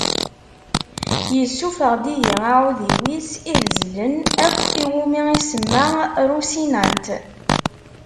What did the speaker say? Yessufeɣ-d ihi aεudiw-is ihezlen akk iwumi isemma Rusinant